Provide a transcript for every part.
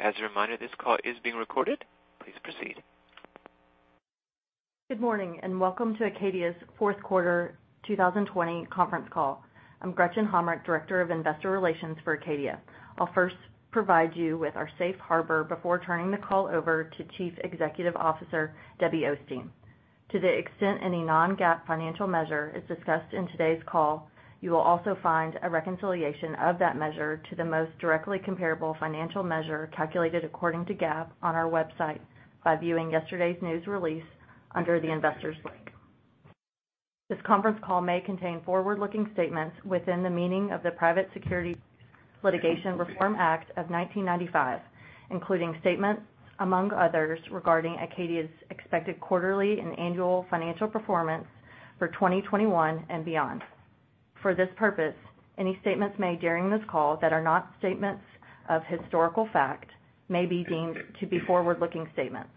As a reminder, this call is being recorded. Please proceed. Good morning, and welcome to Acadia's fourth quarter 2020 conference call. I'm Gretchen Hommrich, Director of Investor Relations for Acadia. I'll first provide you with our safe harbor before turning the call over to Chief Executive Officer, Debbie Osteen. To the extent any non-GAAP financial measure is discussed in today's call, you will also find a reconciliation of that measure to the most directly comparable financial measure calculated according to GAAP on our website by viewing yesterday's news release under the Investors link. This conference call may contain forward-looking statements within the meaning of the Private Securities Litigation Reform Act of 1995, including statements among others regarding Acadia's expected quarterly and annual financial performance for 2021 and beyond. For this purpose, any statements made during this call that are not statements of historical fact may be deemed to be forward-looking statements.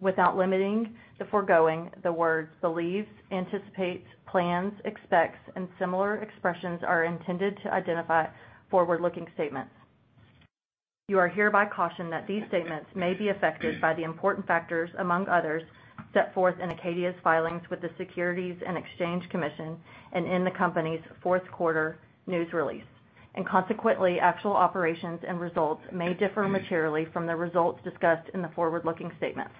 Without limiting the foregoing, the words believes, anticipates, plans, expects, and similar expressions are intended to identify forward-looking statements. You are hereby cautioned that these statements may be affected by the important factors, among others, set forth in Acadia's filings with the Securities and Exchange Commission, and in the company's fourth quarter news release. Consequently, actual operations and results may differ materially from the results discussed in the forward-looking statements.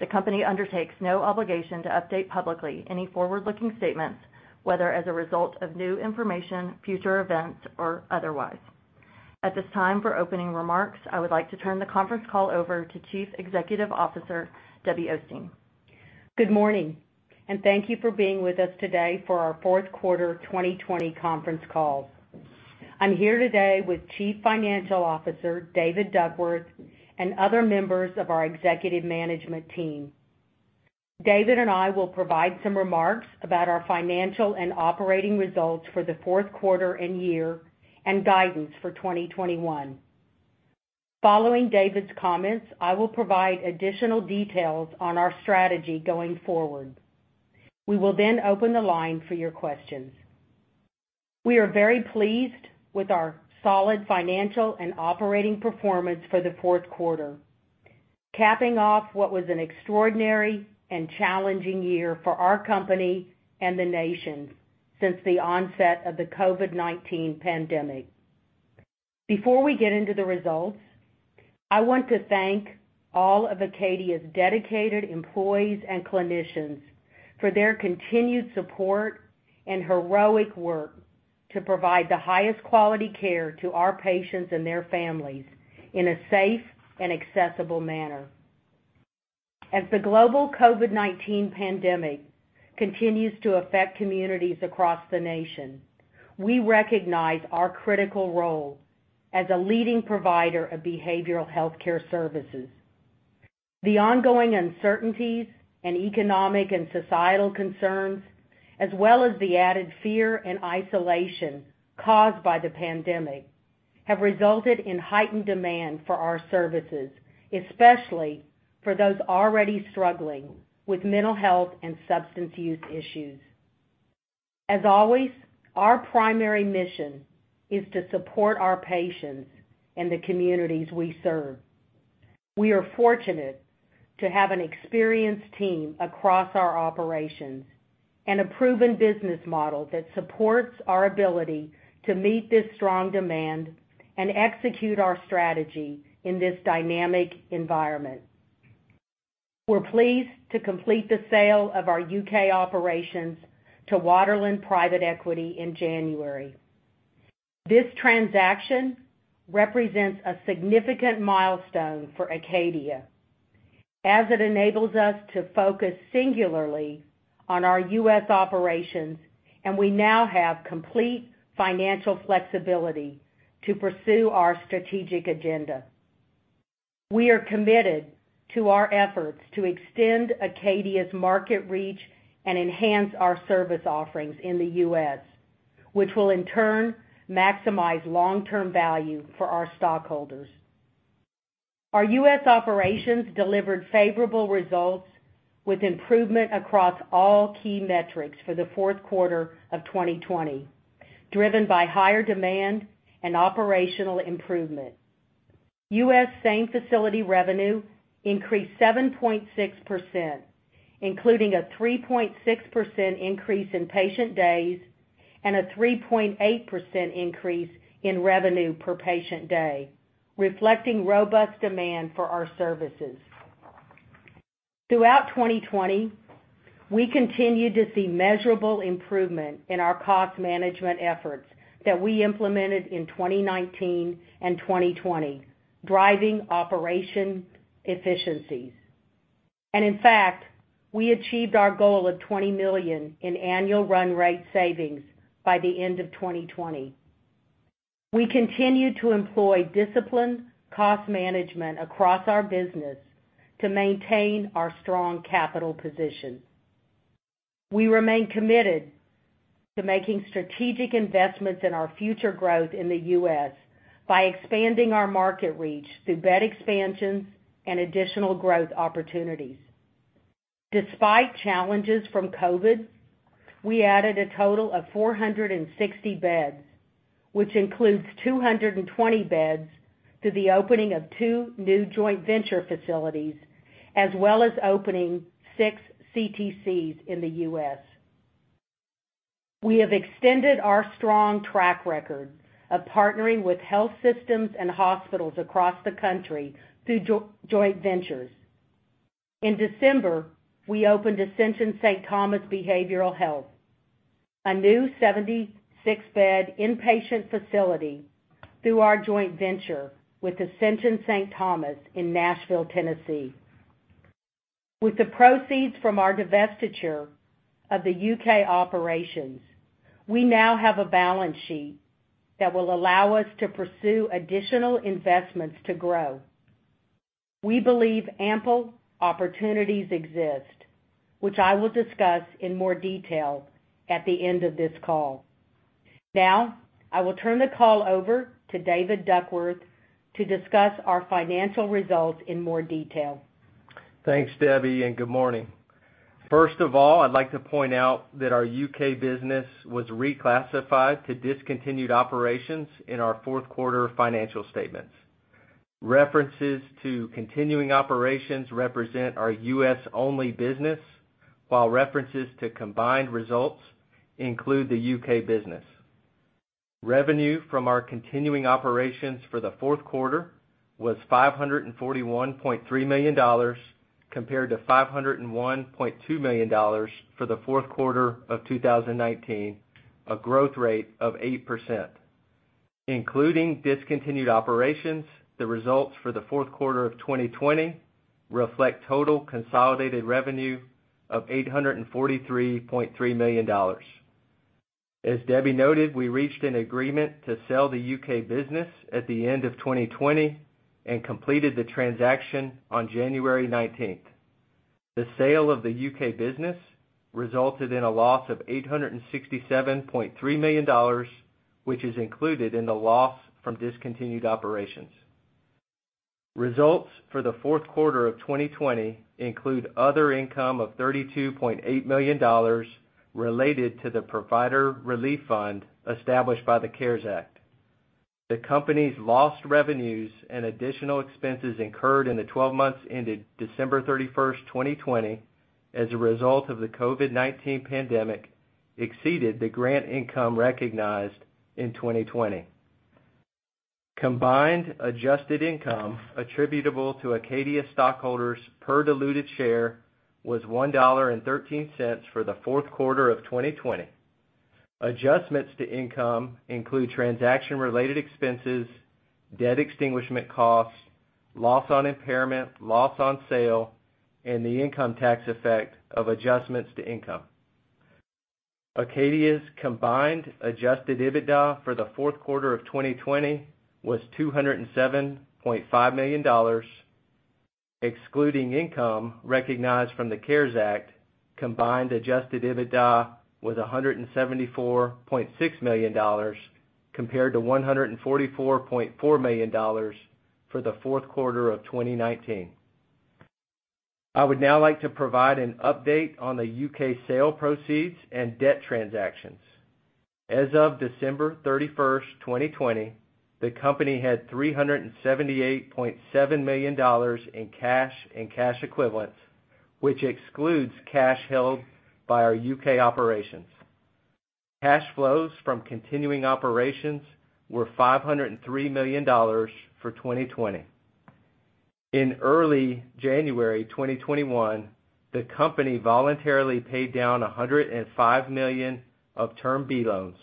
The company undertakes no obligation to update publicly any forward-looking statements, whether as a result of new information, future events, or otherwise. At this time for opening remarks, I would like to turn the conference call over to Chief Executive Officer, Debbie Osteen. Good morning. Thank you for being with us today for our fourth quarter 2020 conference call. I'm here today with Chief Financial Officer, David Duckworth, and other members of our executive management team. David and I will provide some remarks about our financial and operating results for the fourth quarter and year, and guidance for 2021. Following David's comments, I will provide additional details on our strategy going forward. We will open the line for your questions. We are very pleased with our solid financial and operating performance for the fourth quarter, capping off what was an extraordinary and challenging year for our company and the nation since the onset of the COVID-19 pandemic. Before we get into the results, I want to thank all of Acadia's dedicated employees and clinicians for their continued support and heroic work to provide the highest quality care to our patients and their families in a safe and accessible manner. As the global COVID-19 pandemic continues to affect communities across the nation, we recognize our critical role as a leading provider of behavioral healthcare services. The ongoing uncertainties and economic and societal concerns, as well as the added fear and isolation caused by the pandemic, have resulted in heightened demand for our services, especially for those already struggling with mental health and substance use issues. As always, our primary mission is to support our patients and the communities we serve. We are fortunate to have an experienced team across our operations and a proven business model that supports our ability to meet this strong demand and execute our strategy in this dynamic environment. We're pleased to complete the sale of our U.K. operations to Waterland Private Equity in January. This transaction represents a significant milestone for Acadia, as it enables us to focus singularly on our U.S. operations, and we now have complete financial flexibility to pursue our strategic agenda. We are committed to our efforts to extend Acadia's market reach and enhance our service offerings in the U.S., which will in turn maximize long-term value for our stockholders. Our U.S. operations delivered favorable results with improvement across all key metrics for the fourth quarter of 2020, driven by higher demand and operational improvement. U.S. same-facility revenue increased 7.6%, including a 3.6% increase in patient days and a 3.8% increase in revenue per patient day, reflecting robust demand for our services. Throughout 2020, we continued to see measurable improvement in our cost management efforts that we implemented in 2019 and 2020, driving operational efficiencies. In fact, we achieved our goal of $20 million in annual run rate savings by the end of 2020. We continue to employ disciplined cost management across our business to maintain our strong capital position. We remain committed to making strategic investments in our future growth in the U.S. by expanding our market reach through bed expansions and additional growth opportunities. Despite challenges from COVID, we added a total of 460 beds, which includes 220 beds through the opening of two new joint venture facilities, as well as opening six CTCs in the U.S. We have extended our strong track record of partnering with health systems and hospitals across the country through joint ventures. In December, we opened Ascension Saint Thomas Behavioral Health, a new 76-bed inpatient facility through our joint venture with Ascension Saint Thomas in Nashville, Tennessee. With the proceeds from our divestiture of the U.K. operations, we now have a balance sheet that will allow us to pursue additional investments to grow. We believe ample opportunities exist, which I will discuss in more detail at the end of this call. Now, I will turn the call over to David Duckworth to discuss our financial results in more detail. Thanks, Debbie, and good morning. First of all, I'd like to point out that our U.K. business was reclassified to discontinued operations in our fourth quarter financial statements. References to continuing operations represent our U.S.-only business, while references to combined results include the U.K. business. Revenue from our continuing operations for the fourth quarter was $541.3 million, compared to $501.2 million for the fourth quarter of 2019, a growth rate of 8%. Including discontinued operations, the results for the fourth quarter of 2020 reflect total consolidated revenue of $843.3 million. As Debbie noted, we reached an agreement to sell the U.K. business at the end of 2020 and completed the transaction on January 19th. The sale of the U.K. business resulted in a loss of $867.3 million, which is included in the loss from discontinued operations. Results for the fourth quarter of 2020 include other income of $32.8 million related to the Provider Relief Fund established by the CARES Act. The company's lost revenues and additional expenses incurred in the 12 months ended December 31st, 2020, as a result of the COVID-19 pandemic, exceeded the grant income recognized in 2020. Combined adjusted income attributable to Acadia stockholders per diluted share was $1.13 for the fourth quarter of 2020. Adjustments to income include transaction-related expenses, debt extinguishment costs, loss on impairment, loss on sale, and the income tax effect of adjustments to income. Acadia's combined adjusted EBITDA for the fourth quarter of 2020 was $207.5 million. Excluding income recognized from the CARES Act, combined adjusted EBITDA was $174.6 million, compared to $144.4 million for the fourth quarter of 2019. I would now like to provide an update on the U.K. sale proceeds and debt transactions. As of December 31st, 2020, the company had $378.7 million in cash and cash equivalents, which excludes cash held by our U.K. operations. Cash flows from continuing operations were $503 million for 2020. In early January 2021, the company voluntarily paid down $105 million of Term B loans.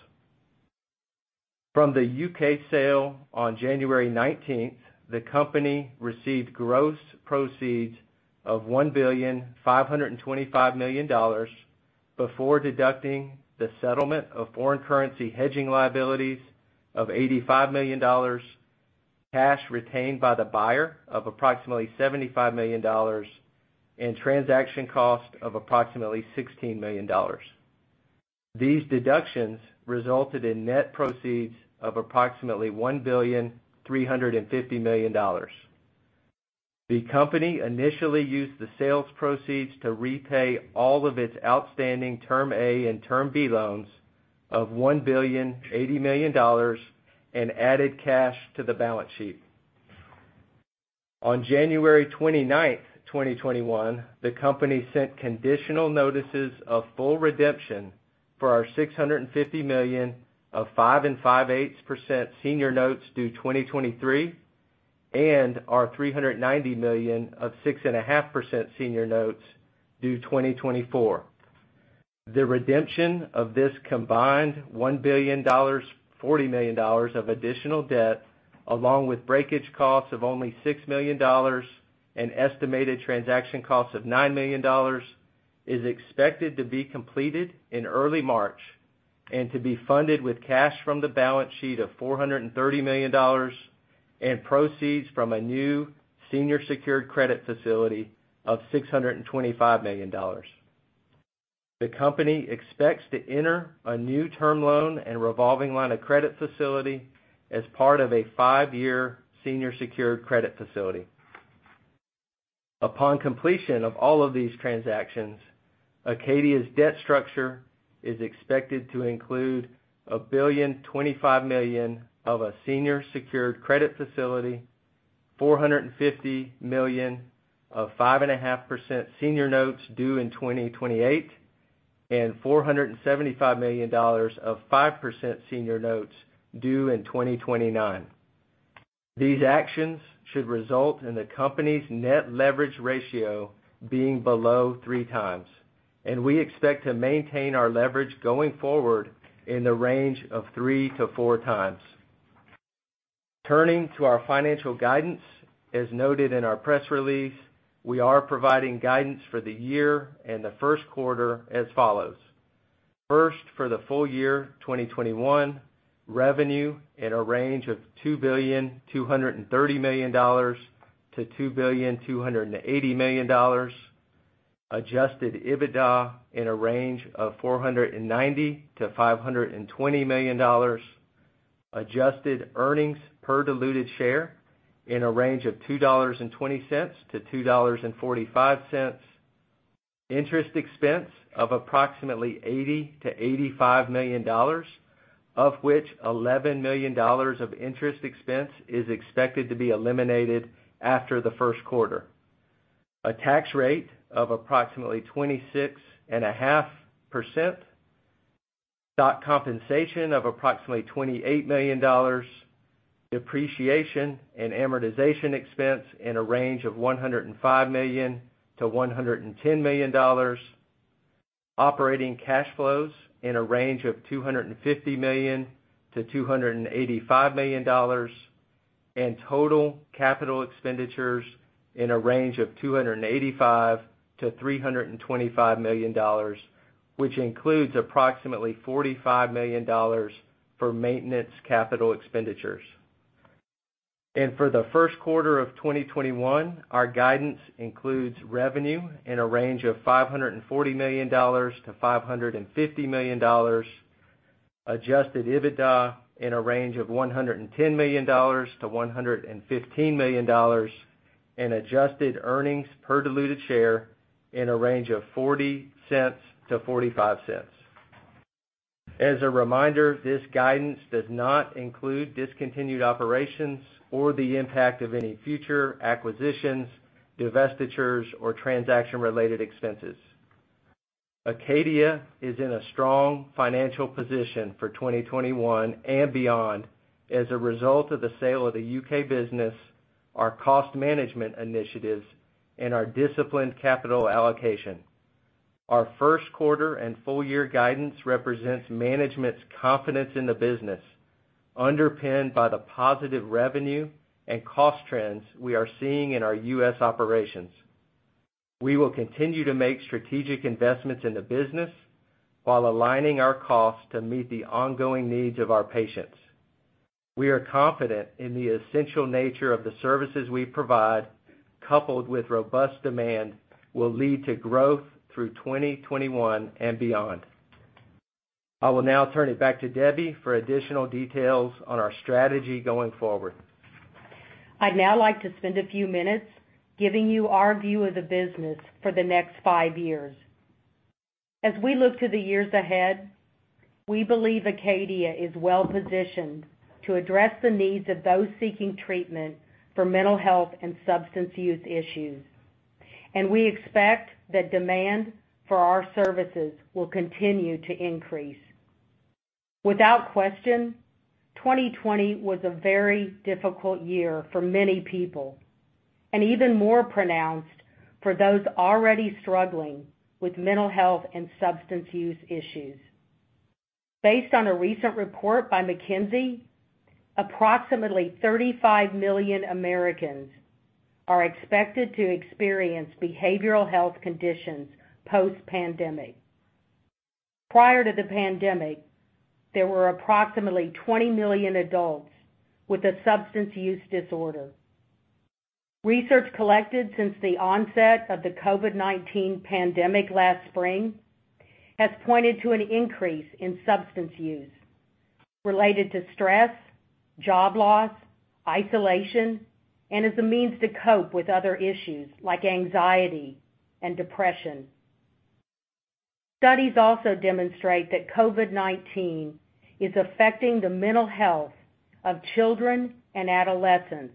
From the U.K. sale on January 19th, the company received gross proceeds of $1.525 billion before deducting the settlement of foreign currency hedging liabilities of $85 million, cash retained by the buyer of approximately $75 million, and transaction cost of approximately $16 million. These deductions resulted in net proceeds of approximately $1.350 billion. The company initially used the sales proceeds to repay all of its outstanding Term A and Term B loans of $1.080 billion and added cash to the balance sheet. On January 29th, 2021, the company sent conditional notices of full redemption for our $650 million of 5.625% senior notes due 2023 and our $390 million of 6.5% senior notes due 2024. The redemption of this combined $1.004 billion of additional debt, along with breakage costs of only $6 million and estimated transaction costs of $9 million, is expected to be completed in early March, and to be funded with cash from the balance sheet of $430 million and proceeds from a new senior secured credit facility of $625 million. The company expects to enter a new term loan and revolving line of credit facility as part of a five-year senior secured credit facility. Upon completion of all of these transactions, Acadia's debt structure is expected to include $1.025 billion of a senior secured credit facility, $450 million of 5.5% senior notes due in 2028, and $475 million of 5% senior notes due in 2029. These actions should result in the company's net leverage ratio being below 3x. We expect to maintain our leverage going forward in the range of 3x-4x. Turning to our financial guidance, as noted in our press release, we are providing guidance for the year and the first quarter as follows. First, for the full year 2021, revenue in a range of $2.23 billion-$2.28 billion, adjusted EBITDA in a range of $490 million-$520 million, adjusted earnings per diluted share in a range of $2.20-$2.45, interest expense of approximately $80 million-$85 million, of which $11 million of interest expense is expected to be eliminated after the first quarter. A tax rate of approximately 26.5%, stock compensation of approximately $28 million, depreciation and amortization expense in a range of $105 million-$110 million, operating cash flows in a range of $250 million-$285 million, and total capital expenditures in a range of $285 million-$325 million, which includes approximately $45 million for maintenance capital expenditures. For the first quarter of 2021, our guidance includes revenue in a range of $540 million-$550 million, adjusted EBITDA in a range of $110 million-$115 million, and adjusted earnings per diluted share in a range of $0.40-$0.45. As a reminder, this guidance does not include discontinued operations or the impact of any future acquisitions, divestitures, or transaction-related expenses. Acadia is in a strong financial position for 2021 and beyond as a result of the sale of the U.K. business, our cost management initiatives, and our disciplined capital allocation. Our first quarter and full-year guidance represents management's confidence in the business, underpinned by the positive revenue and cost trends we are seeing in our U.S. operations. We will continue to make strategic investments in the business while aligning our costs to meet the ongoing needs of our patients. We are confident in the essential nature of the services we provide, coupled with robust demand, will lead to growth through 2021 and beyond. I will now turn it back to Debbie for additional details on our strategy going forward. I'd now like to spend a few minutes giving you our view of the business for the next five years. As we look to the years ahead, we believe Acadia is well-positioned to address the needs of those seeking treatment for mental health and substance use issues, and we expect that demand for our services will continue to increase. Without question, 2020 was a very difficult year for many people, and even more pronounced for those already struggling with mental health and substance use issues. Based on a recent report by McKinsey, approximately 35 million Americans are expected to experience behavioral health conditions post-pandemic. Prior to the pandemic, there were approximately 20 million adults with a substance use disorder. Research collected since the onset of the COVID-19 pandemic last spring has pointed to an increase in substance use related to stress, job loss, isolation, and as a means to cope with other issues like anxiety and depression. Studies also demonstrate that COVID-19 is affecting the mental health of children and adolescents,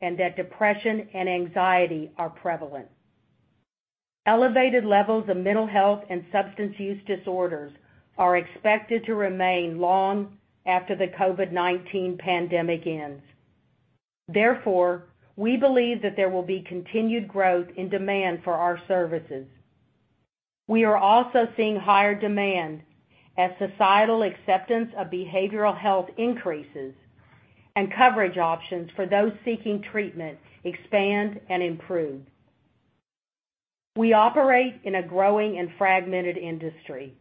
and that depression and anxiety are prevalent. Elevated levels of mental health and substance use disorders are expected to remain long after the COVID-19 pandemic ends. Therefore, we believe that there will be continued growth and demand for our services. We are also seeing higher demand as societal acceptance of behavioral health increases and coverage options for those seeking treatment expand and improve. We operate in a growing and fragmented industry.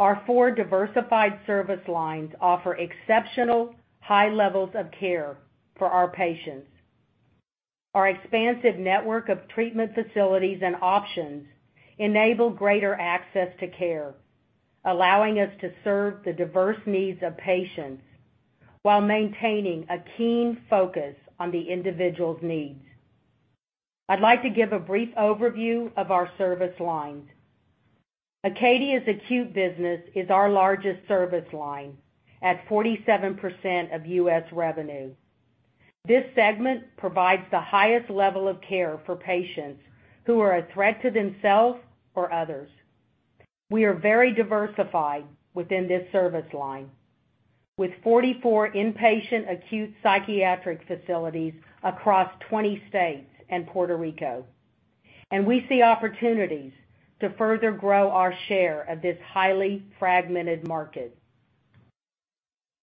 Our four diversified service lines offer exceptional high levels of care for our patients. Our expansive network of treatment facilities and options enable greater access to care, allowing us to serve the diverse needs of patients while maintaining a keen focus on the individual's needs. I'd like to give a brief overview of our service lines. Acadia's acute business is our largest service line at 47% of U.S. revenue. This segment provides the highest level of care for patients who are a threat to themselves or others. We are very diversified within this service line, with 44 inpatient acute psychiatric facilities across 20 states and Puerto Rico. We see opportunities to further grow our share of this highly fragmented market.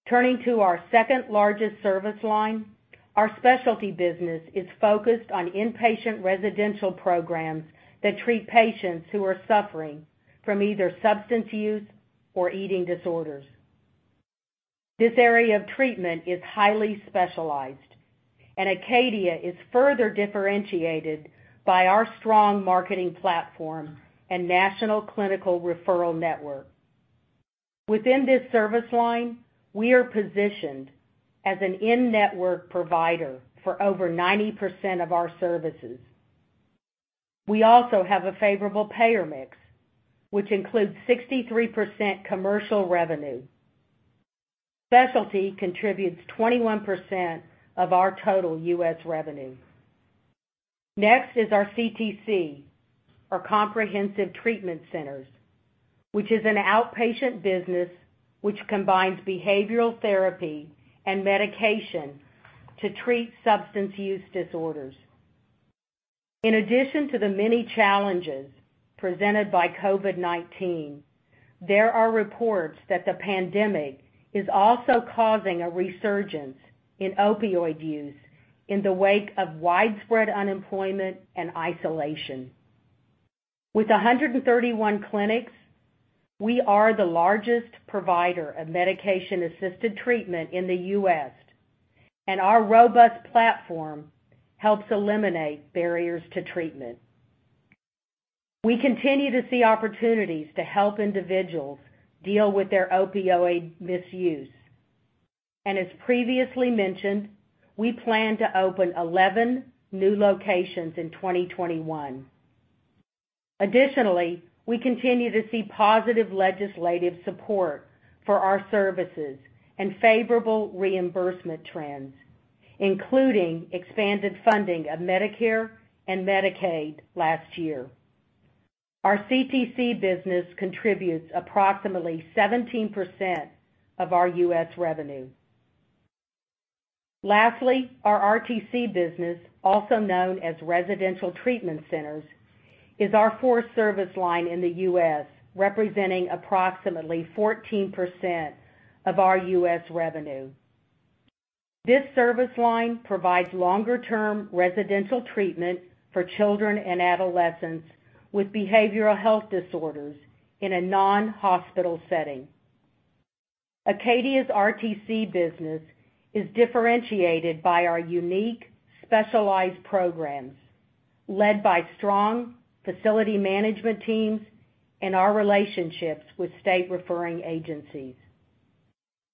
Turning to our second-largest service line, our specialty business is focused on inpatient residential programs that treat patients who are suffering from either substance use or eating disorders. This area of treatment is highly specialized, and Acadia is further differentiated by our strong marketing platform and national clinical referral network. Within this service line, we are positioned as an in-network provider for over 90% of our services. We also have a favorable payer mix, which includes 63% commercial revenue. Specialty contributes 21% of our total U.S. revenue. Next is our CTC, our Comprehensive Treatment Centers, which is an outpatient business which combines behavioral therapy and medication to treat substance use disorders. In addition to the many challenges presented by COVID-19, there are reports that the pandemic is also causing a resurgence in opioid use in the wake of widespread unemployment and isolation. With 131 clinics, we are the largest provider of medication-assisted treatment in the U.S., and our robust platform helps eliminate barriers to treatment. We continue to see opportunities to help individuals deal with their opioid misuse. As previously mentioned, we plan to open 11 new locations in 2021. Additionally, we continue to see positive legislative support for our services and favorable reimbursement trends, including expanded funding of Medicare and Medicaid last year. Our CTC business contributes approximately 17% of our U.S. revenue. Lastly, our RTC business, also known as residential treatment centers, is our fourth service line in the U.S., representing approximately 14% of our U.S. revenue. This service line provides longer-term residential treatment for children and adolescents with behavioral health disorders in a non-hospital setting. Acadia's RTC business is differentiated by our unique, specialized programs led by strong facility management teams and our relationships with state referring agencies.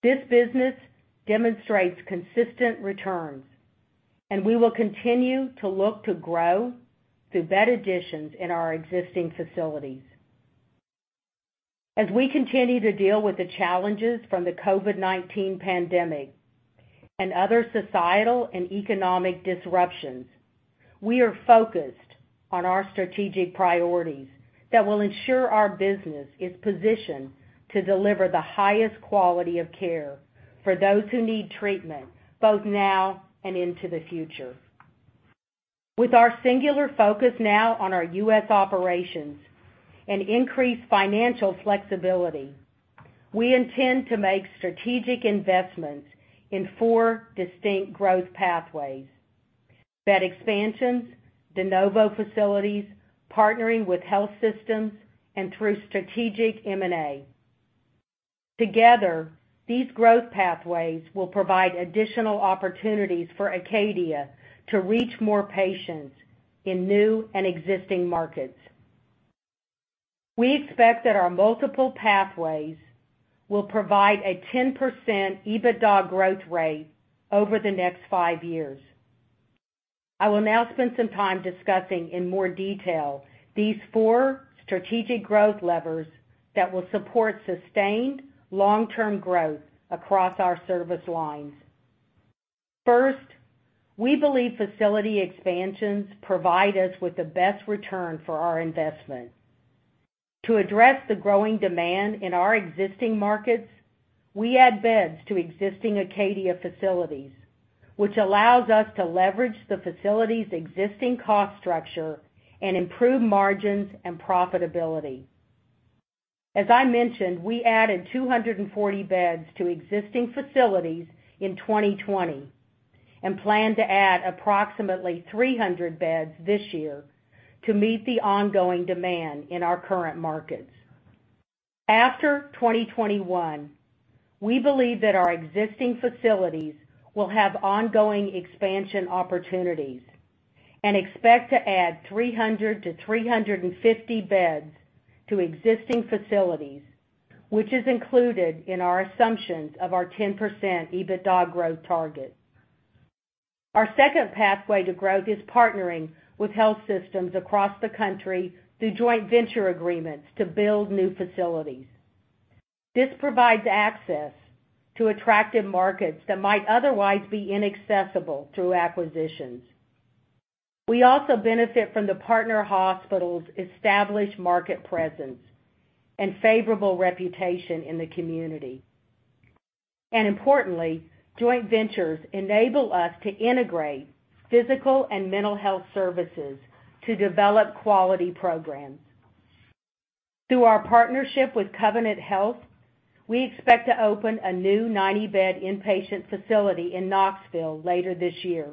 This business demonstrates consistent returns, and we will continue to look to grow through bed additions in our existing facilities. As we continue to deal with the challenges from the COVID-19 pandemic and other societal and economic disruptions, we are focused on our strategic priorities that will ensure our business is positioned to deliver the highest quality of care for those who need treatment, both now and into the future. With our singular focus now on our U.S. operations and increased financial flexibility, we intend to make strategic investments in four distinct growth pathways: bed expansions, de novo facilities, partnering with health systems, and through strategic M&A. Together, these growth pathways will provide additional opportunities for Acadia to reach more patients in new and existing markets. We expect that our multiple pathways will provide a 10% EBITDA growth rate over the next five years. I will now spend some time discussing in more detail these four strategic growth levers that will support sustained long-term growth across our service lines. First, we believe facility expansions provide us with the best return for our investment. To address the growing demand in our existing markets, we add beds to existing Acadia facilities, which allows us to leverage the facility's existing cost structure and improve margins and profitability. As I mentioned, we added 240 beds to existing facilities in 2020 and plan to add approximately 300 beds this year to meet the ongoing demand in our current markets. After 2021, we believe that our existing facilities will have ongoing expansion opportunities and expect to add 300 to 350 beds to existing facilities, which is included in our assumptions of our 10% EBITDA growth target. Our second pathway to growth is partnering with health systems across the country through joint venture agreements to build new facilities. This provides access to attractive markets that might otherwise be inaccessible through acquisitions. We also benefit from the partner hospitals' established market presence and favorable reputation in the community. Importantly, joint ventures enable us to integrate physical and mental health services to develop quality programs. Through our partnership with Covenant Health, we expect to open a new 90-bed inpatient facility in Knoxville later this year.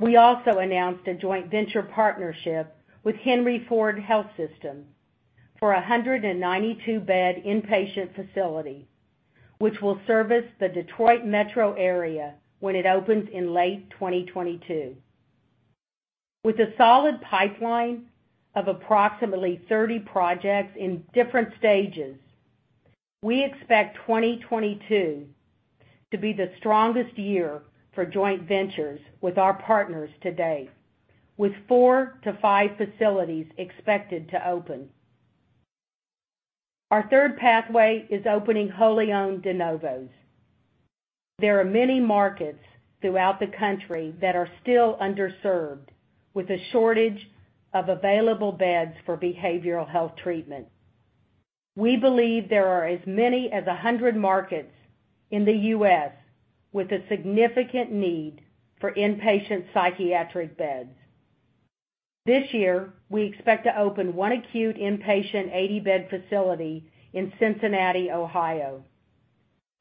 We also announced a joint venture partnership with Henry Ford Health for 192-bed inpatient facility, which will service the Detroit metro area when it opens in late 2022. With a solid pipeline of approximately 30 projects in different stages, we expect 2022 to be the strongest year for joint ventures with our partners to date, with four to five facilities expected to open. Our third pathway is opening wholly owned de novos. There are many markets throughout the country that are still underserved, with a shortage of available beds for behavioral health treatment. We believe there are as many as 100 markets in the U.S. with a significant need for inpatient psychiatric beds. This year, we expect to open one acute inpatient 80-bed facility in Cincinnati, Ohio.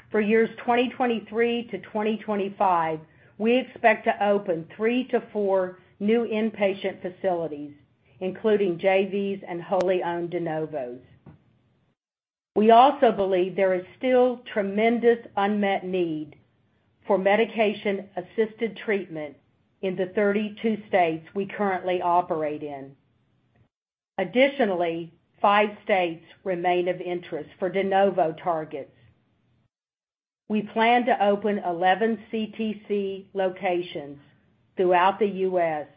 For years 2023-2025, we expect to open three to four new inpatient facilities, including JVs and wholly owned de novos. We also believe there is still tremendous unmet need for medication-assisted treatment in the 32 states we currently operate in. Additionally, five states remain of interest for de novo targets. We plan to open 11 CTC locations throughout the U.S.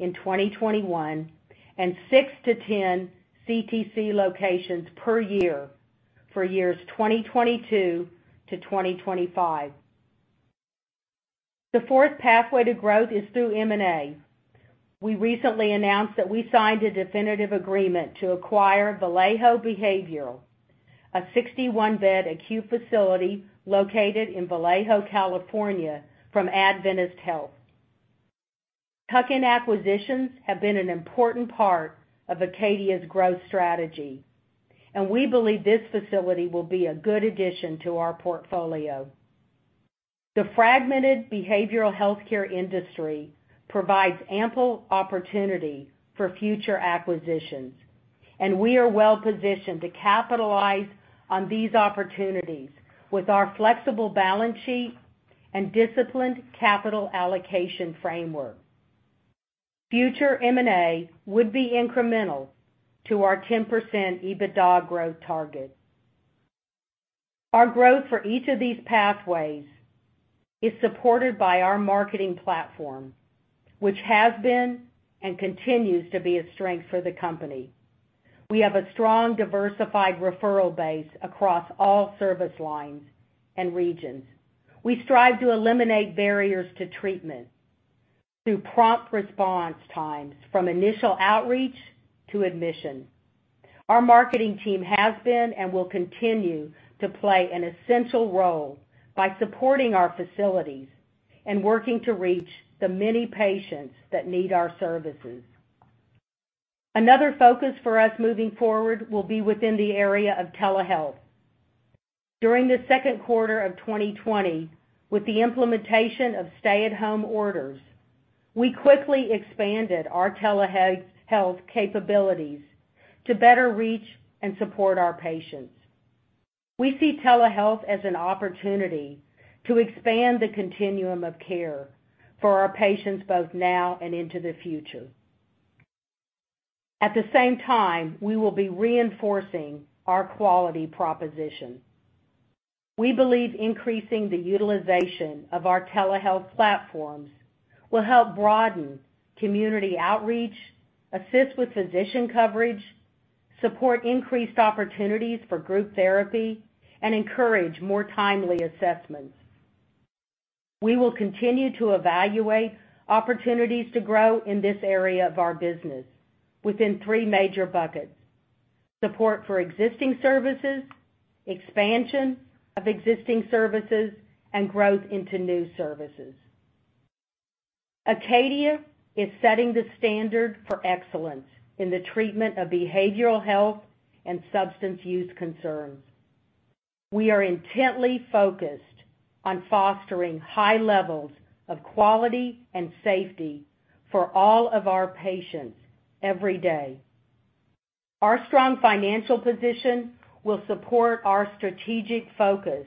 in 2021 and 6-10 CTC locations per year for years 2022-2025. The fourth pathway to growth is through M&A. We recently announced that we signed a definitive agreement to Vallejo Behavioral, a 61-bed acute facility located in Vallejo, California, from Adventist Health. Tuck-in acquisitions have been an important part of Acadia's growth strategy, and we believe this facility will be a good addition to our portfolio. The fragmented behavioral healthcare industry provides ample opportunity for future acquisitions, and we are well-positioned to capitalize on these opportunities with our flexible balance sheet and disciplined capital allocation framework. Future M&A would be incremental to our 10% EBITDA growth target. Our growth for each of these pathways is supported by our marketing platform, which has been and continues to be a strength for the company. We have a strong, diversified referral base across all service lines and regions. We strive to eliminate barriers to treatment through prompt response times from initial outreach to admission. Our marketing team has been and will continue to play an essential role by supporting our facilities and working to reach the many patients that need our services. Another focus for us moving forward will be within the area of telehealth. During the second quarter of 2020, with the implementation of stay-at-home orders, we quickly expanded our telehealth capabilities to better reach and support our patients. We see telehealth as an opportunity to expand the continuum of care for our patients, both now and into the future. At the same time, we will be reinforcing our quality proposition. We believe increasing the utilization of our telehealth platforms will help broaden community outreach, assist with physician coverage, support increased opportunities for group therapy, and encourage more timely assessments. We will continue to evaluate opportunities to grow in this area of our business within three major buckets: support for existing services, expansion of existing services, and growth into new services. Acadia is setting the standard for excellence in the treatment of behavioral health and substance use concerns. We are intently focused on fostering high levels of quality and safety for all of our patients every day. Our strong financial position will support our strategic focus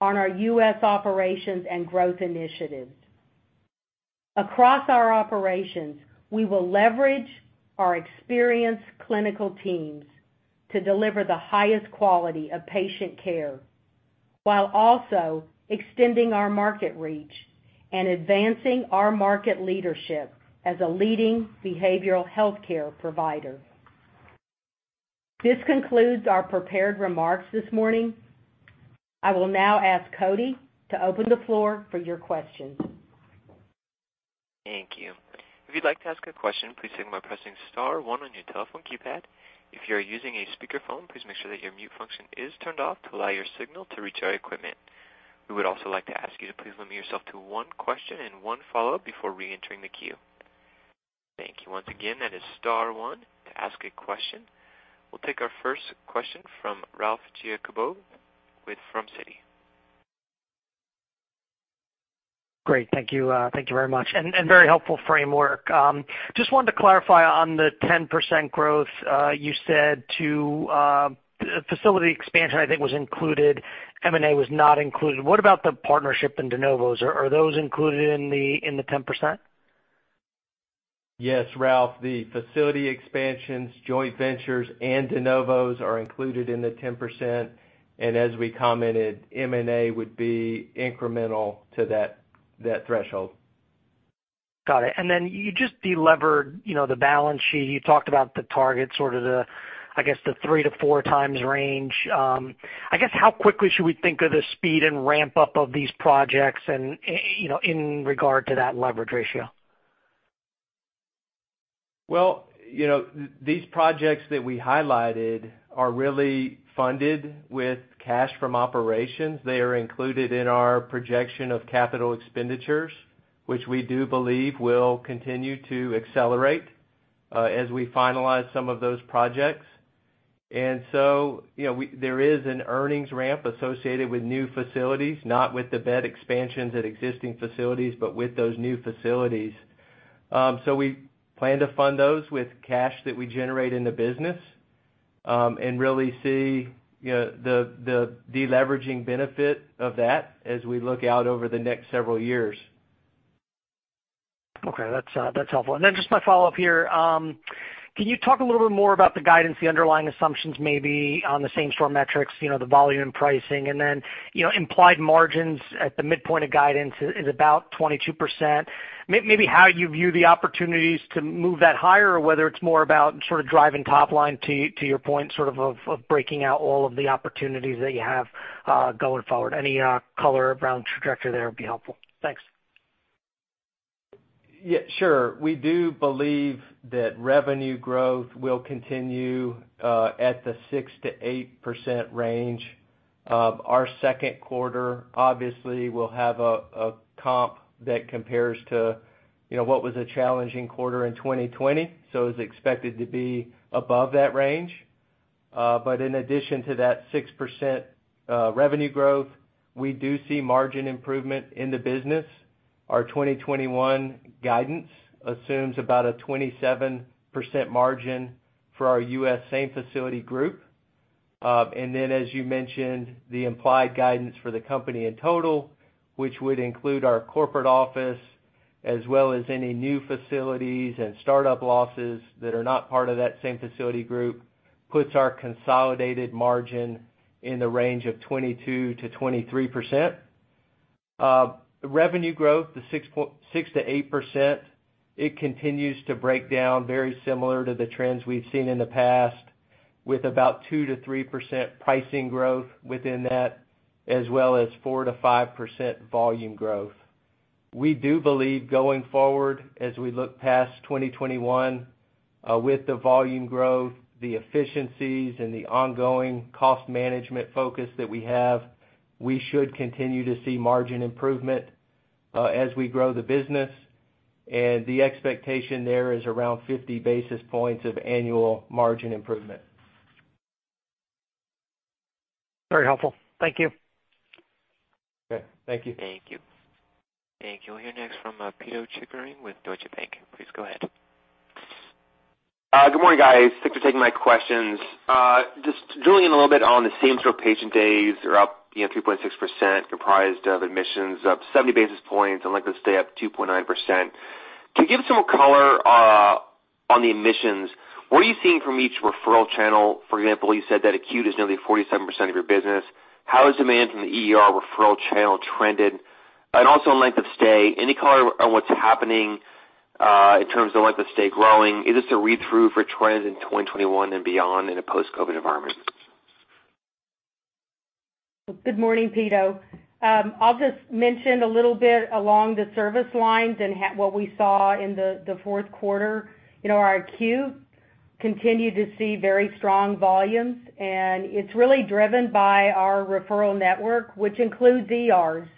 on our U.S. operations and growth initiatives. Across our operations, we will leverage our experienced clinical teams to deliver the highest quality of patient care, while also extending our market reach and advancing our market leadership as a leading behavioral healthcare provider. This concludes our prepared remarks this morning. I will now ask Cody to open the floor for your questions. Thank you. If you'd like to ask a question, please signal by pressing star one on your telephone keypad. If you're using a speakerphone, please make sure that your mute function is turned off to allow your signal to reach our equipment. We would also like to ask you to please limit yourself to one question and one follow-up before reentering the queue. Thank you. Once again, that is star one to ask a question. We'll take our first question from Ralph Giacobbe with from Citi. Great. Thank you. Thank you very much, and very helpful framework. Just wanted to clarify on the 10% growth. You said to facility expansion, I think was included, M&A was not included. What about the partnership in de novos? Are those included in the 10%? Yes, Ralph. The facility expansions, joint ventures, and de novos are included in the 10%. As we commented, M&A would be incremental to that threshold. Got it. You just delevered the balance sheet. You talked about the target, sort of the 3x-4x range. How quickly should we think of the speed and ramp-up of these projects in regard to that leverage ratio? Well, these projects that we highlighted are really funded with cash from operations. They are included in our projection of capital expenditures, which we do believe will continue to accelerate as we finalize some of those projects. There is an earnings ramp associated with new facilities, not with the bed expansions at existing facilities, but with those new facilities. We plan to fund those with cash that we generate in the business, and really see the deleveraging benefit of that as we look out over the next several years. Okay. That's helpful. Just my follow-up here. Can you talk a little bit more about the guidance, the underlying assumptions maybe on the same store metrics, the volume pricing, and then implied margins at the midpoint of guidance is about 22%. Maybe how you view the opportunities to move that higher, or whether it's more about sort of driving top line to your point of breaking out all of the opportunities that you have going forward. Any color around trajectory there would be helpful. Thanks. Yeah, sure. We do believe that revenue growth will continue at the 6%-8% range. Our second quarter obviously will have a comp that compares to what was a challenging quarter in 2020. It's expected to be above that range. In addition to that 6% revenue growth, we do see margin improvement in the business. Our 2021 guidance assumes about a 27% margin for our U.S. same-facility group. As you mentioned, the implied guidance for the company in total, which would include our corporate office as well as any new facilities and startup losses that are not part of that same facility group, puts our consolidated margin in the range of 22%-23%. Revenue growth is 6%-8%. It continues to break down very similar to the trends we've seen in the past, with about 2%-3% pricing growth within that, as well as 4%-5% volume growth. We do believe going forward as we look past 2021, with the volume growth, the efficiencies, and the ongoing cost management focus that we have, we should continue to see margin improvement as we grow the business. The expectation there is around 50 basis points of annual margin improvement. Very helpful. Thank you. Okay. Thank you. Thank you. Thank you. We'll hear next from Pito Chickering with Deutsche Bank. Please go ahead. Good morning, guys. Thanks for taking my questions. Just drilling in a little bit on the same store patient days are up 3.6%, comprised of admissions up 70 basis points and length of stay up 2.9%. Can you give some color on the admissions? What are you seeing from each referral channel? For example, you said that acute is nearly 47% of your business. How has demand from the ER referral channel trended? Also length of stay, any color on what's happening in terms of length of stay growing? Is this a read-through for trends in 2021 and beyond in a post-COVID environment? Good morning, Pito. I'll just mention a little bit along the service lines and what we saw in the fourth quarter. Our acute continued to see very strong volumes, and it's really driven by our referral network, which includes ERs.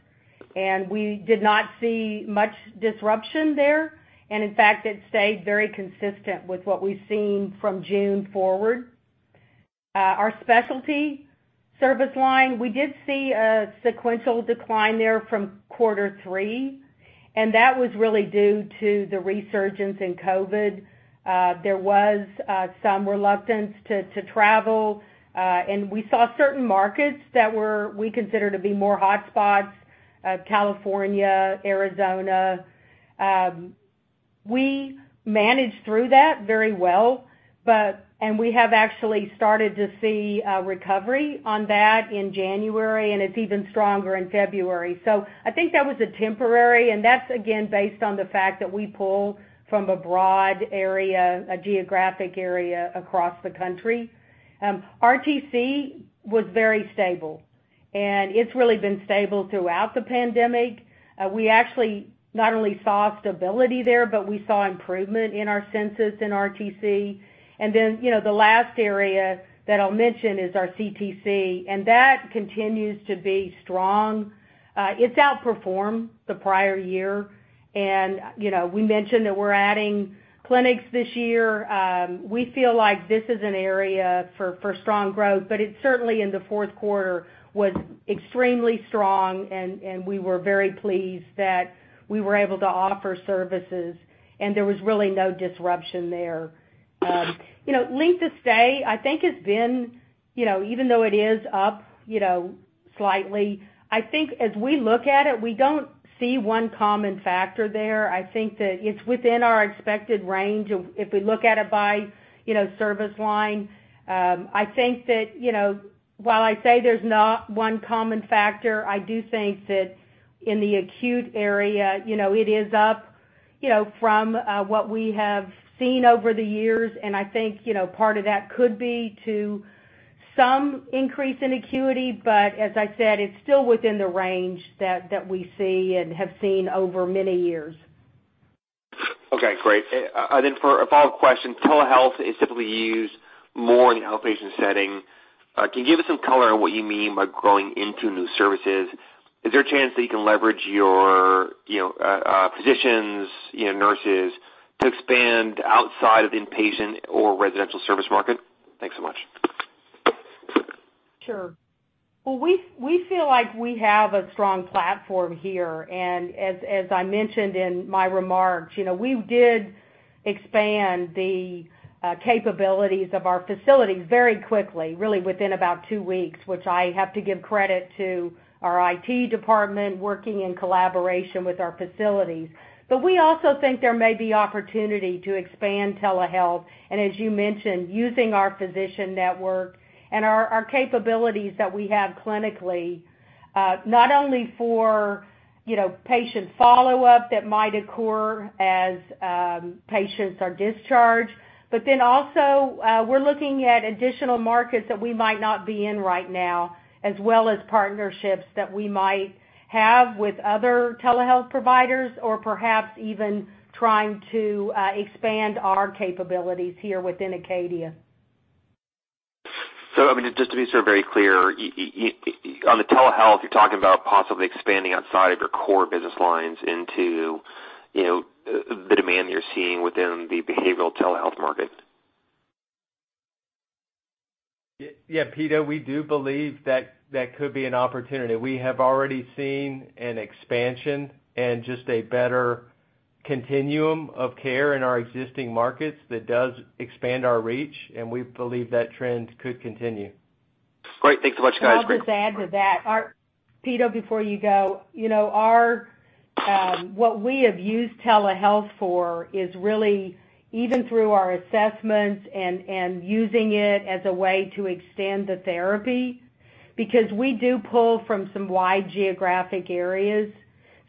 We did not see much disruption there. In fact, it stayed very consistent with what we've seen from June forward. Our specialty service line, we did see a sequential decline there from quarter three, and that was really due to the resurgence in COVID. There was some reluctance to travel, and we saw certain markets that we consider to be more hotspots, California, Arizona. We managed through that very well, and we have actually started to see a recovery on that in January, and it's even stronger in February. I think that was temporary, and that's again, based on the fact that we pull from a broad area, a geographic area across the country. RTC was very stable, and it's really been stable throughout the pandemic. We actually not only saw stability there, but we saw improvement in our census in RTC. The last area that I'll mention is our CTC, and that continues to be strong. It's outperformed the prior year. We mentioned that we're adding clinics this year. We feel like this is an area for strong growth, but it certainly, in the fourth quarter, was extremely strong, and we were very pleased that we were able to offer services and there was really no disruption there. Length of stay, I think has been, even though it is up slightly, I think as we look at it, we don't see one common factor there. I think that it's within our expected range if we look at it by service line. I think that, while I say there's not one common factor, I do think that in the acute area, it is up from what we have seen over the years, and I think, part of that could be to some increase in acuity. As I said, it's still within the range that we see and have seen over many years. Okay, great. For a follow-up question, telehealth is typically used more in an outpatient setting. Can you give us some color on what you mean by growing into new services? Is there a chance that you can leverage your physicians, nurses to expand outside of the inpatient or residential service market? Thanks so much. Sure. We feel like we have a strong platform here, and as I mentioned in my remarks, we did expand the capabilities of our facilities very quickly, really within about two weeks, which I have to give credit to our IT department working in collaboration with our facilities. We also think there may be opportunity to expand telehealth, and as you mentioned, using our physician network and our capabilities that we have clinically, not only for patient follow-up that might occur as patients are discharged, but then also, we're looking at additional markets that we might not be in right now, as well as partnerships that we might have with other telehealth providers or perhaps even trying to expand our capabilities here within Acadia. Just to be sort of very clear, on the telehealth, you're talking about possibly expanding outside of your core business lines into the demand you're seeing within the behavioral telehealth market. Pito, we do believe that could be an opportunity. We have already seen an expansion and just a better continuum of care in our existing markets that does expand our reach, and we believe that trend could continue. Great. Thanks so much, guys. Great. I'll just add to that, Pito, before you go. What we have used telehealth for is really even through our assessments and using it as a way to extend the therapy, because we do pull from some wide geographic areas.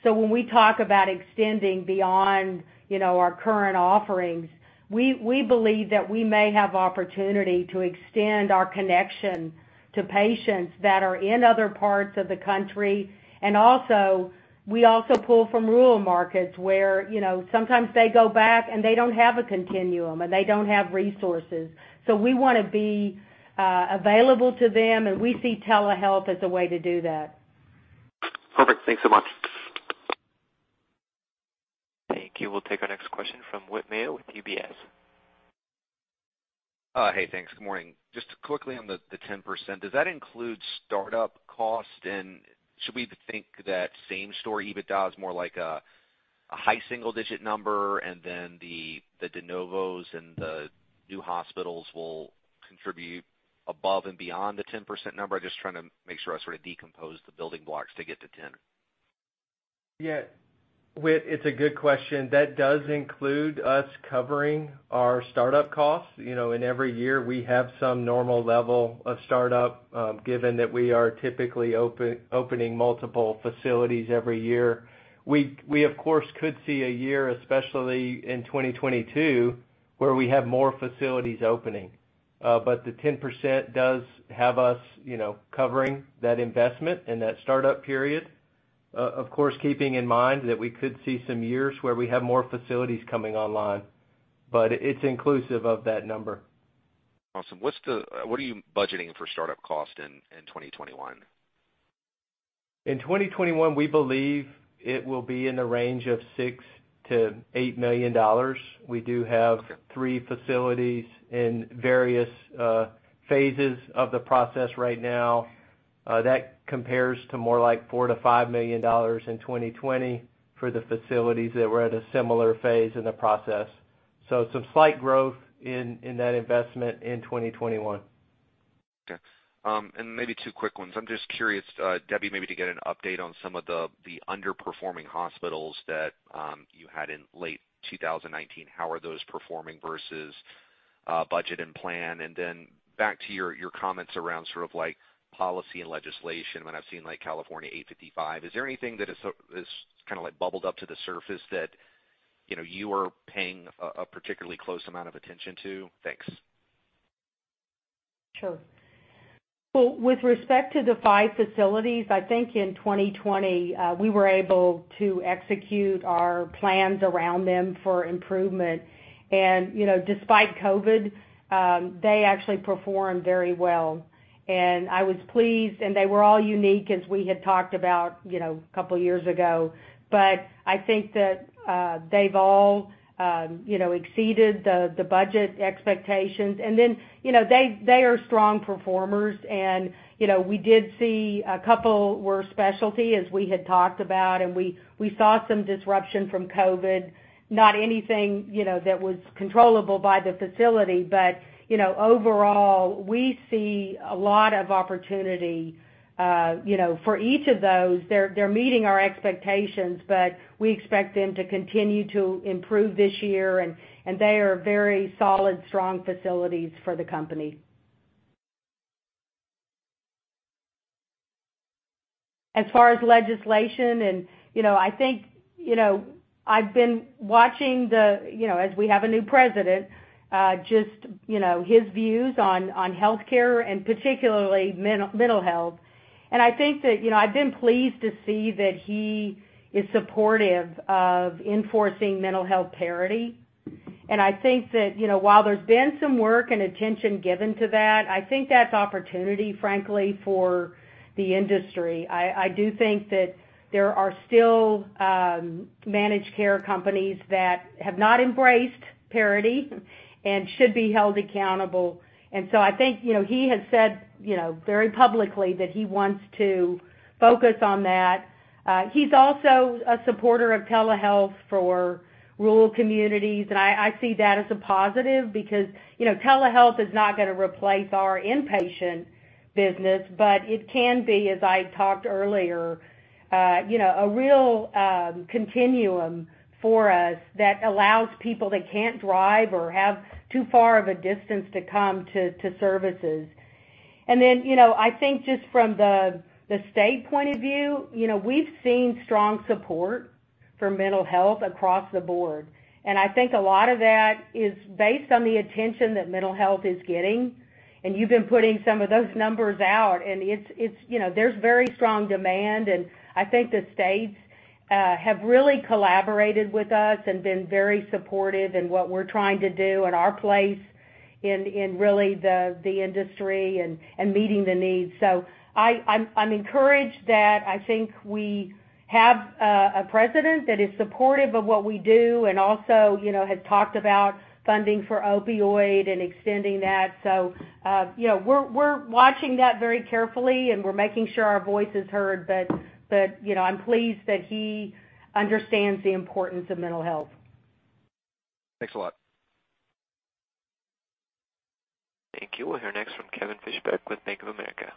When we talk about extending beyond our current offerings, we believe that we may have opportunity to extend our connection to patients that are in other parts of the country. Also, we also pull from rural markets where sometimes they go back and they don't have a continuum, and they don't have resources. We want to be available to them, and we see telehealth as a way to do that. Perfect. Thanks so much. Thank you. We'll take our next question from Whit Mayo with UBS. Hey, thanks. Good morning. Just quickly on the 10%, does that include startup cost? Should we think that same store EBITDA is more like a high single-digit number and then the de novos and the new hospitals will contribute above and beyond the 10% number? I'm just trying to make sure I sort of decompose the building blocks to get to 10. Yeah. Whit, it's a good question. That does include us covering our startup costs. In every year, we have some normal level of startup, given that we are typically opening multiple facilities every year. We, of course, could see a year, especially in 2022, where we have more facilities opening. The 10% does have us covering that investment and that startup period. Of course, keeping in mind that we could see some years where we have more facilities coming online. It's inclusive of that number. Awesome. What are you budgeting for startup cost in 2021? In 2021, we believe it will be in the range of $6 million-$8 million. We do have three facilities in various phases of the process right now. That compares to more like $4 million-$5 million in 2020 for the facilities that were at a similar phase in the process. Some slight growth in that investment in 2021. Okay. Maybe two quick ones. I'm just curious, Debbie, maybe to get an update on some of the underperforming hospitals that you had in late 2019. How are those performing versus budget and plan? Back to your comments around policy and legislation, when I've seen California 855, is there anything that has bubbled up to the surface that you are paying a particularly close amount of attention to? Thanks. Sure. Well, with respect to the five facilities, I think in 2020, we were able to execute our plans around them for improvement. Despite COVID, they actually performed very well. I was pleased, and they were all unique, as we had talked about a couple years ago. I think that they've all exceeded the budget expectations. They are strong performers, and we did see a couple were specialty, as we had talked about, and we saw some disruption from COVID. Not anything that was controllable by the facility. Overall, we see a lot of opportunity. For each of those, they're meeting our expectations, but we expect them to continue to improve this year, and they are very solid, strong facilities for the company. As far as legislation and, I think, I've been watching the, as we have a new president, just his views on healthcare and particularly mental health. I think that I've been pleased to see that he is supportive of enforcing mental health parity. I think that, while there's been some work and attention given to that, I think that's opportunity, frankly, for the industry. I do think that there are still managed care companies that have not embraced parity and should be held accountable. I think, he has said very publicly that he wants to focus on that. He's also a supporter of telehealth for rural communities, and I see that as a positive because telehealth is not going to replace our inpatient business, but it can be, as I talked earlier, a real continuum for us that allows people that can't drive or have too far of a distance to come to services. I think just from the state point of view, we've seen strong support for mental health across the board. I think a lot of that is based on the attention that mental health is getting, and you've been putting some of those numbers out. There's very strong demand, and I think the states have really collaborated with us and been very supportive in what we're trying to do and our place in really the industry and meeting the needs. I'm encouraged that I think we have a president that is supportive of what we do and also has talked about funding for opioid and extending that. We're watching that very carefully, and we're making sure our voice is heard, but I'm pleased that he understands the importance of mental health. Thanks a lot. Thank you. We'll hear next from Kevin Fischbeck with Bank of America.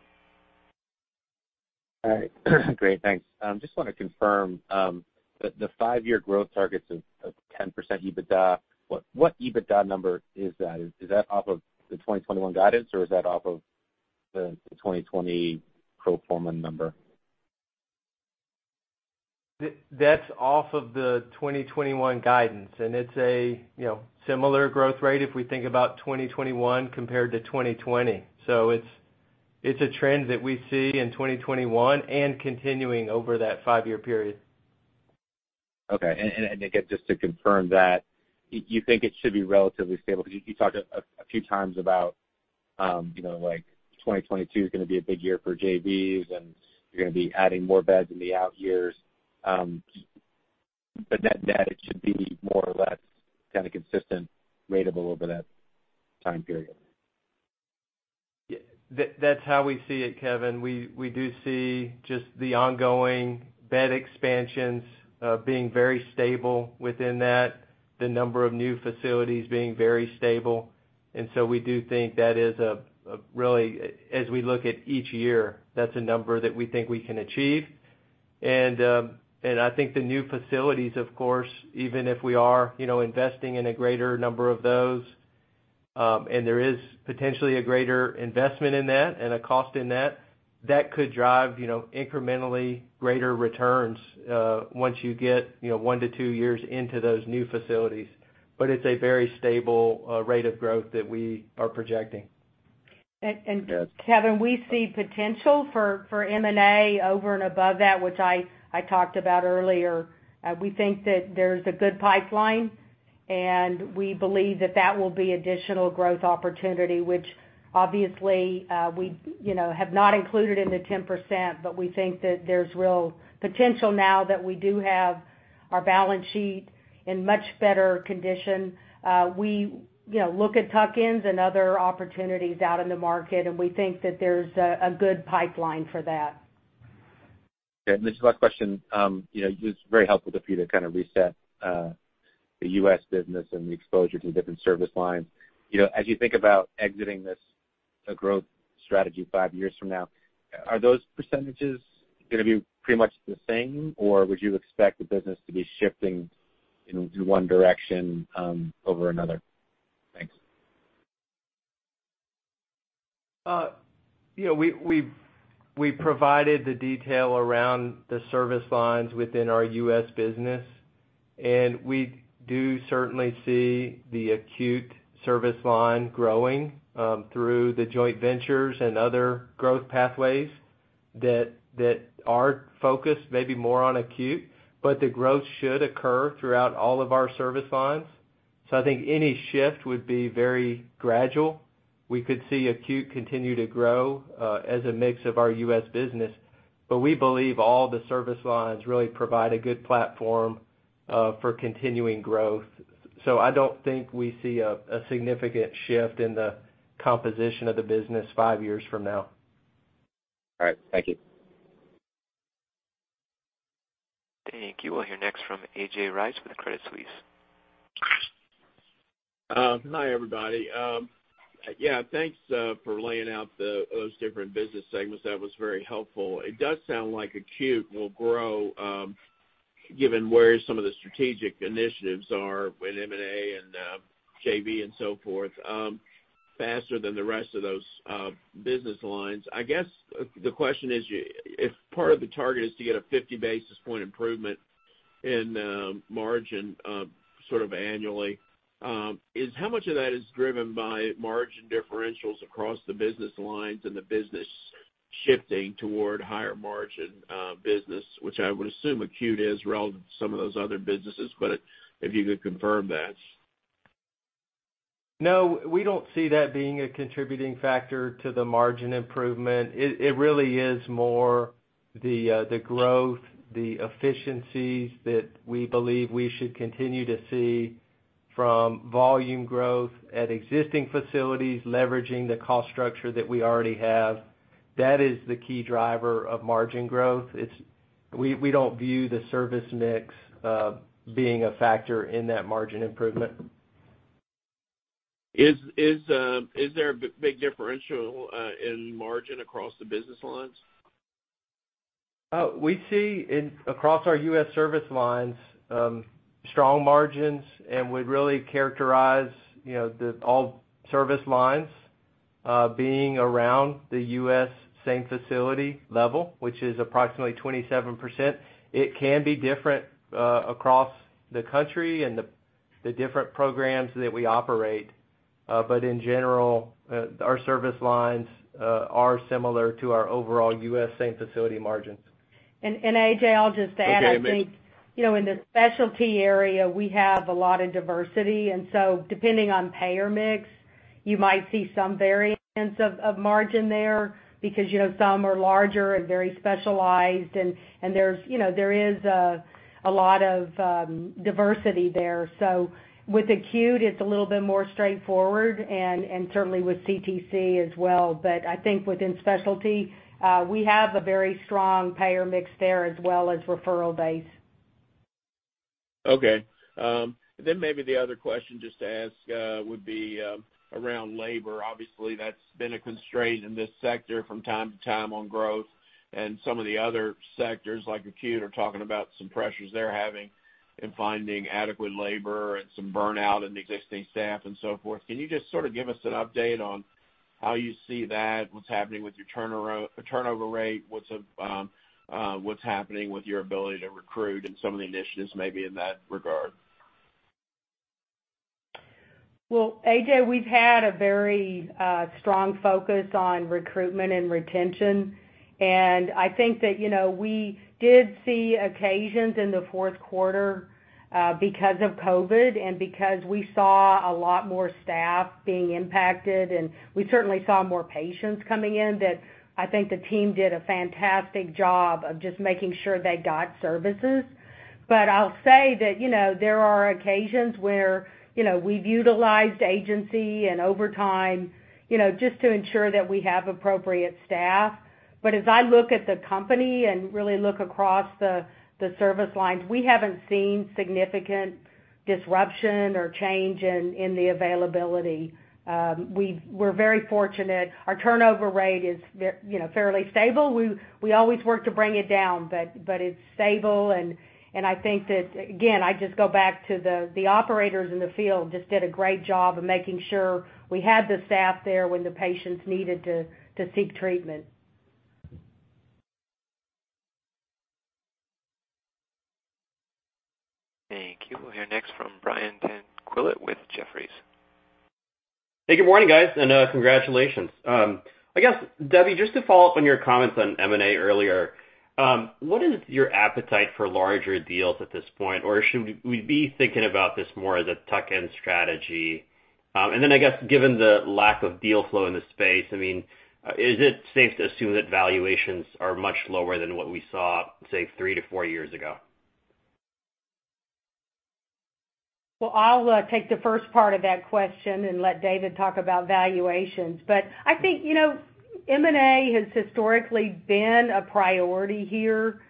All right. Great, thanks. Just want to confirm, the five-year growth targets of 10% EBITDA, what EBITDA number is that? Is that off of the 2021 guidance, or is that off of the 2020 pro forma number? That's off of the 2021 guidance. It's a similar growth rate if we think about 2021 compared to 2020. It's a trend that we see in 2021 and continuing over that five-year period. Okay. Next, just to confirm that you think it should be relatively stable, because you talked a few times about 2022 is going to be a big year for JVs, and you're going to be adding more beds in the out years. Net, it should be more or less kind of consistent rate of a little bit at that time period. Yeah. That's how we see it, Kevin. We do see just the ongoing bed expansions being very stable within that, the number of new facilities being very stable. We do think that is a really, as we look at each year, that's a number that we think we can achieve. I think the new facilities, of course, even if we are investing in a greater number of those, and there is potentially a greater investment in that and a cost in that could drive incrementally greater returns, once you get one to two years into those new facilities. It's a very stable rate of growth that we are projecting. Kevin, we see potential for M&A over and above that, which I talked about earlier. We think that there's a good pipeline, and we believe that that will be additional growth opportunity, which obviously, we have not included in the 10%, but we think that there's real potential now that we do have our balance sheet in much better condition. We look at tuck-ins and other opportunities out in the market, and we think that there's a good pipeline for that. Okay. This is last question. It was very helpful for you to kind of reset, the U.S. business and the exposure to the different service lines. As you think about exiting this growth strategy five years from now, are those percentages going to be pretty much the same, or would you expect the business to be shifting in one direction, over another? Thanks. We provided the detail around the service lines within our U.S. business, and we do certainly see the acute service line growing, through the joint ventures and other growth pathways that are focused maybe more on acute, but the growth should occur throughout all of our service lines. I think any shift would be very gradual. We could see acute continue to grow, as a mix of our U.S. business. We believe all the service lines really provide a good platform for continuing growth. I don't think we see a significant shift in the composition of the business five years from now. All right. Thank you. Thank you. We'll hear next from A.J. Rice with Credit Suisse. Hi, everybody. Yeah, thanks for laying out those different business segments. That was very helpful. It does sound like acute will grow, given where some of the strategic initiatives are with M&A and JV and so forth, faster than the rest of those business lines. I guess the question is, if part of the target is to get a 50 basis point improvement in margin sort of annually, how much of that is driven by margin differentials across the business lines and the business shifting toward higher margin business, which I would assume acute is relevant to some of those other businesses, but if you could confirm that. No, we don't see that being a contributing factor to the margin improvement. It really is more the growth, the efficiencies that we believe we should continue to see from volume growth at existing facilities, leveraging the cost structure that we already have. That is the key driver of margin growth. We don't view the service mix being a factor in that margin improvement. Is there a big differential in margin across the business lines? We see across our U.S. service lines, strong margins and would really characterize all service lines being around the U.S. same facility level, which is approximately 27%. It can be different across the country and the different programs that we operate. In general, our service lines are similar to our overall U.S. same facility margins. A.J., I'll just add, I think in the specialty area, we have a lot of diversity, depending on payer mix, you might see some variance of margin there because some are larger and very specialized, and there is a lot of diversity there. With acute, it's a little bit more straightforward and certainly with CTC as well. I think within specialty, we have a very strong payer mix there as well as referral base. Maybe the other question just to ask would be around labor. Obviously, that's been a constraint in this sector from time to time on growth. Some of the other sectors, like acute, are talking about some pressures they're having in finding adequate labor and some burnout in existing staff and so forth. Can you just sort of give us an update on how you see that? What's happening with your turnover rate? What's happening with your ability to recruit and some of the initiatives maybe in that regard? Well, A.J., we've had a very strong focus on recruitment and retention. I think that we did see occasions in the fourth quarter because of COVID and because we saw a lot more staff being impacted, and we certainly saw more patients coming in that I think the team did a fantastic job of just making sure they got services. I'll say that there are occasions where we've utilized agency and overtime just to ensure that we have appropriate staff. As I look at the company and really look across the service lines, we haven't seen significant disruption or change in the availability. We're very fortunate. Our turnover rate is fairly stable. We always work to bring it down, but it's stable. I think that, again, I just go back to the operators in the field just did a great job of making sure we had the staff there when the patients needed to seek treatment. We'll hear next from Brian Tanquilut with Jefferies. Hey, good morning, guys. Congratulations. I guess, Debbie, just to follow up on your comments on M&A earlier, what is your appetite for larger deals at this point? Should we be thinking about this more as a tuck-in strategy? I guess, given the lack of deal flow in the space, is it safe to assume that valuations are much lower than what we saw, say, three to four years ago? Well, I'll take the first part of that question and let David talk about valuations. I think M&A has historically been a priority here.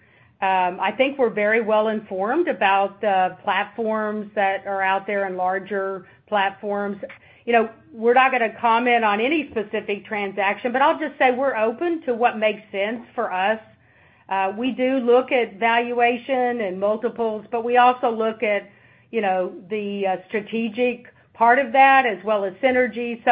I think we're very well-informed about the platforms that are out there and larger platforms. We're not going to comment on any specific transaction, but I'll just say we're open to what makes sense for us. We do look at valuation and multiples, but we also look at the strategic part of that as well as synergy.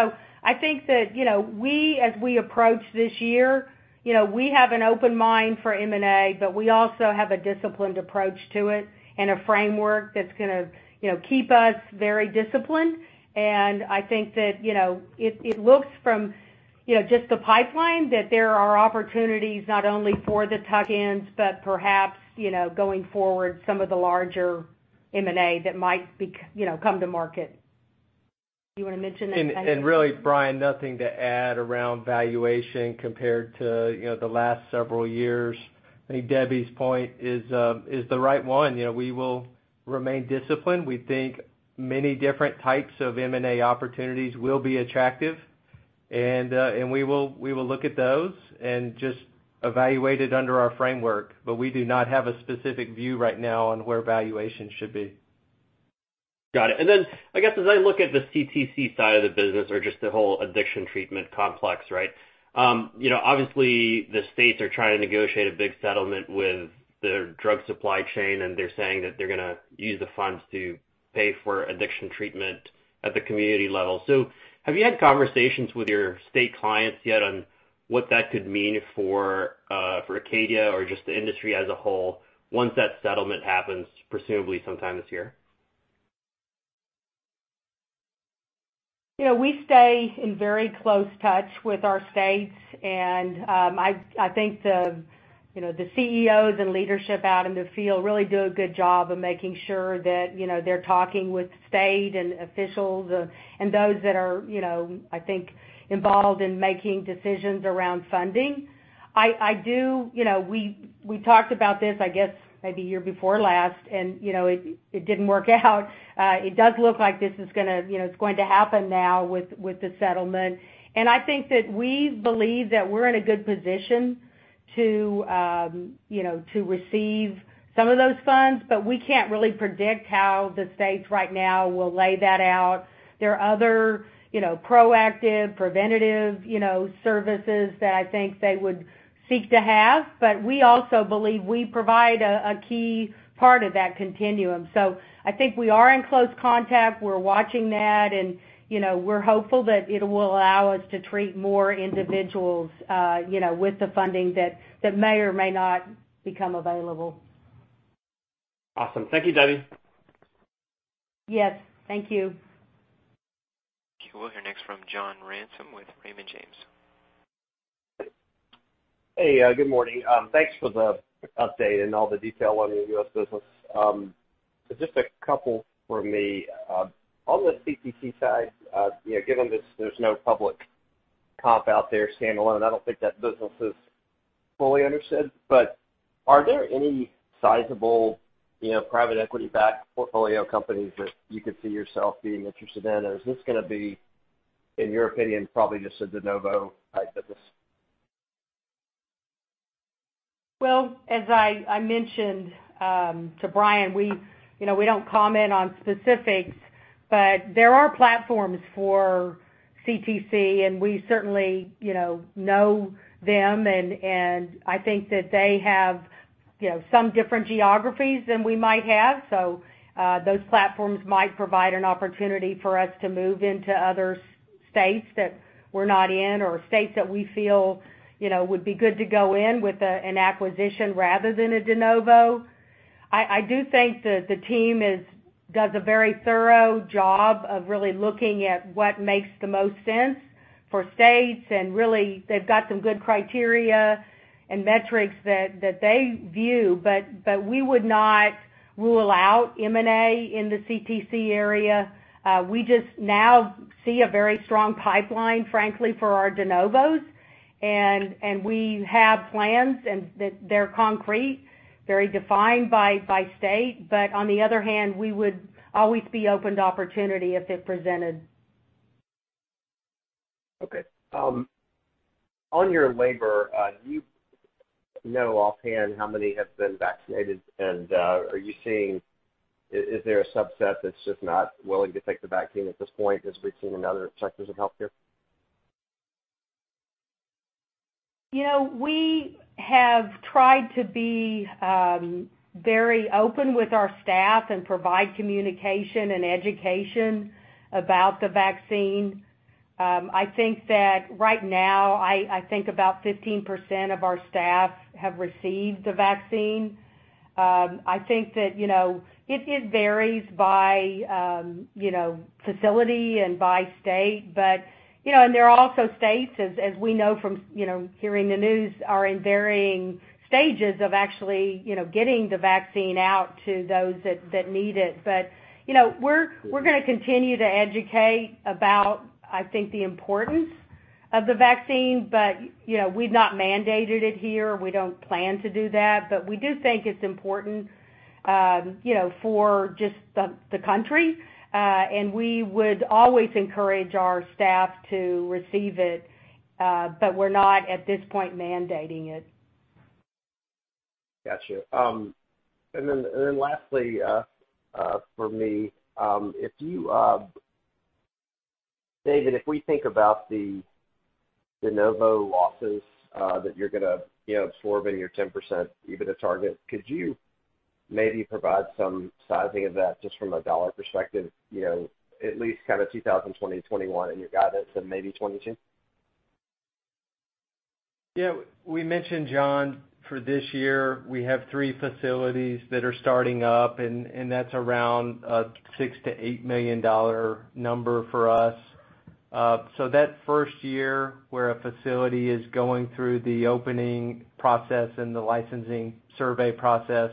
I think that as we approach this year, we have an open mind for M&A, but we also have a disciplined approach to it and a framework that's going to keep us very disciplined. I think that it looks from just the pipeline that there are opportunities not only for the tuck-ins, but perhaps, going forward, some of the larger M&A that might come to market. You want to mention that? Really, Brian, nothing to add around valuation compared to the last several years. I think Debbie's point is the right one. We will remain disciplined. We think many different types of M&A opportunities will be attractive, and we will look at those and just evaluate it under our framework. We do not have a specific view right now on where valuations should be. Got it. I guess as I look at the CTC side of the business or just the whole addiction treatment complex. Obviously, the states are trying to negotiate a big settlement with their drug supply chain, and they're saying that they're going to use the funds to pay for addiction treatment at the community level. Have you had conversations with your state clients yet on what that could mean for Acadia or just the industry as a whole once that settlement happens, presumably sometime this year? We stay in very close touch with our states and I think the CEOs and leadership out in the field really do a good job of making sure that they're talking with state and officials and those that are, I think, involved in making decisions around funding. We talked about this, I guess, maybe a year before last, and it didn't work out. It does look like this is going to happen now with the settlement. I think that we believe that we're in a good position to receive some of those funds, but we can't really predict how the states right now will lay that out. There are other proactive, preventative services that I think they would seek to have, but we also believe we provide a key part of that continuum. I think we are in close contact. We're watching that. We're hopeful that it will allow us to treat more individuals with the funding that may or may not become available. Awesome. Thank you, Debbie. Yes. Thank you. We'll hear next from John Ransom with Raymond James. Hey, good morning. Thanks for the update and all the detail on the U.S. business. Just a couple from me. On the CTC side, given there's no public comp out there standalone, I don't think that business is fully understood. Are there any sizable private equity-backed portfolio companies that you could see yourself being interested in? Is this going to be, in your opinion, probably just a de novo type business? Well, as I mentioned to Brian, we don't comment on specifics, but there are platforms for CTC, and we certainly know them, and I think that they have some different geographies than we might have. Those platforms might provide an opportunity for us to move into other states that we're not in or states that we feel would be good to go in with an acquisition rather than a de novo. I do think that the team does a very thorough job of really looking at what makes the most sense for states, and really they've got some good criteria and metrics that they view. We would not rule out M&A in the CTC area. We just now see a very strong pipeline, frankly, for our de novos. We have plans, and they're concrete, very defined by state. On the other hand, we would always be open to opportunity if it presented. Okay. On your labor, do you know offhand how many have been vaccinated, and is there a subset that's just not willing to take the vaccine at this point, as we've seen in other sectors of healthcare? We have tried to be very open with our staff and provide communication and education about the vaccine. I think that right now, I think about 15% of our staff have received the vaccine. I think that it varies by facility and by state. There are also states, as we know from hearing the news, are in varying stages of actually getting the vaccine out to those that need it. We're going to continue to educate about, I think, the importance of the vaccine. We've not mandated it here. We don't plan to do that. We do think it's important for just the country. We would always encourage our staff to receive it. We're not, at this point, mandating it. Got you. Then lastly, for me, David, if we think about the de novo losses that you're going to absorb in your 10% EBITDA target, could you maybe provide some sizing of that just from a dollar perspective, at least kind of 2020, 2021 in your guidance and maybe 2022? Yeah. We mentioned, John, for this year, we have three facilities that are starting up, and that's around a $6 million-$8 million number for us. That first year where a facility is going through the opening process and the licensing survey process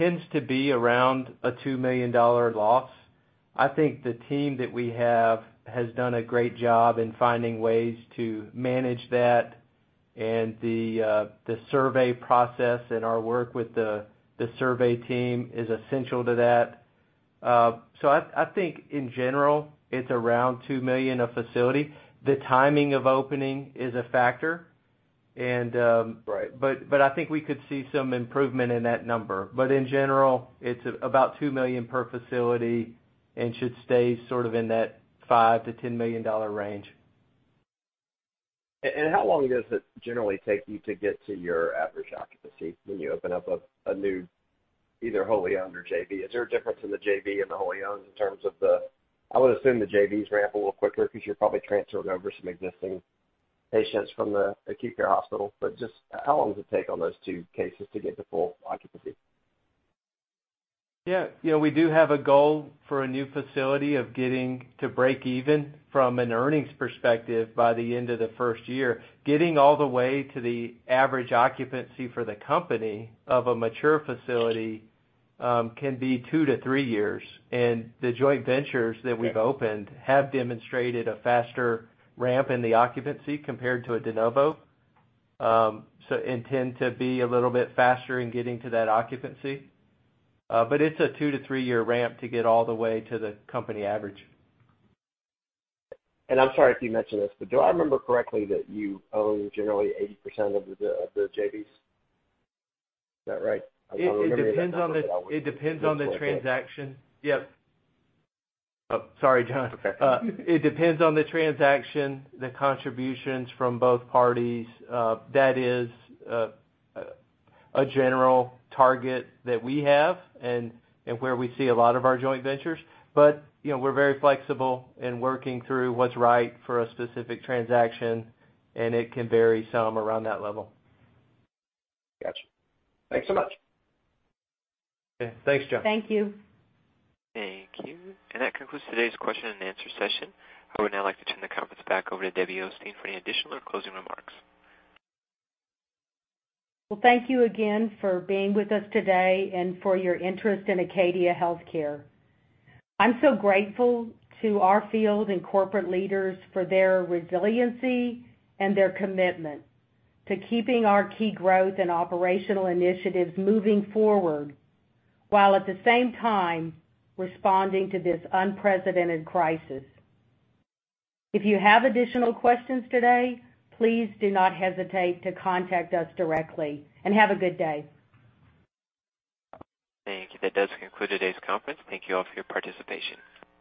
tends to be around a $2 million loss. I think the team that we have has done a great job in finding ways to manage that and the survey process and our work with the survey team is essential to that. I think in general, it's around $2 million a facility. The timing of opening is a factor and- Right I think we could see some improvement in that number. In general, it's about $2 million per facility and should stay sort of in that $5 million-$10 million range. How long does it generally take you to get to your average occupancy when you open up a new, either wholly owned or JV? Is there a difference in the JV and the wholly owned in terms of the, I would assume the JVs ramp a little quicker because you're probably transferring over some existing patients from the acute care hospital. Just how long does it take on those two cases to get to full occupancy? Yeah. We do have a goal for a new facility of getting to break even from an earnings perspective by the end of the first year. Getting all the way to the average occupancy for the company of a mature facility, can be two to three years, the joint ventures that we've opened have demonstrated a faster ramp in the occupancy compared to a de novo. Tend to be a little bit faster in getting to that occupancy. It's a two to three-year ramp to get all the way to the company average. I'm sorry if you mentioned this, but do I remember correctly that you own generally 80% of the JVs? Is that right? It depends on the transaction. Yep. Oh, sorry, John. It's okay. It depends on the transaction, the contributions from both parties. That is a general target that we have and where we see a lot of our joint ventures. We're very flexible in working through what's right for a specific transaction, and it can vary some around that level. Got you. Thanks so much. Okay. Thanks, John. Thank you. Thank you. That concludes today's question and answer session. I would now like to turn the conference back over to Debbie Osteen for any additional or closing remarks. Well, thank you again for being with us today and for your interest in Acadia Healthcare. I'm so grateful to our field and corporate leaders for their resiliency and their commitment to keeping our key growth and operational initiatives moving forward, while at the same time responding to this unprecedented crisis. If you have additional questions today, please do not hesitate to contact us directly, and have a good day. Thank you. That does conclude today's conference. Thank you all for your participation.